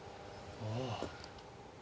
ああ。